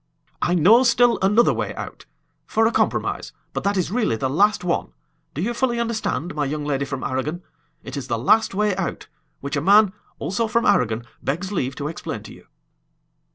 "I know still another way out for a compromise, but that is really the last one. Do you fully understand, my young lady from Aragon? It is the last way out, which a man, also from Aragon, begs leave to explain to you."